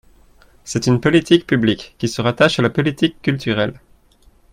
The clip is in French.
C’est une politique publique, qui se rattache à la politique culturelle.